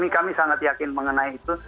kami sangat yakin mengenai itu